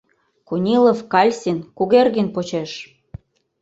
Кунилов, Кальсин — Кугергин почеш!